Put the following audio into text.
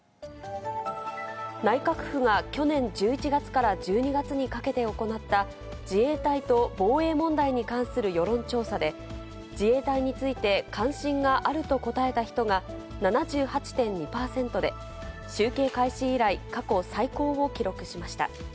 内閣府が去年１１月から１２月にかけて行った、自衛隊と防衛問題に関する世論調査で、自衛隊について関心があると答えた人が７８．２％で、集計開始以来、過去最高を記録しました。